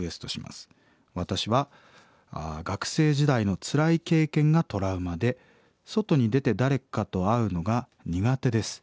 私は学生時代のつらい経験がトラウマで外に出て誰かと会うのが苦手です。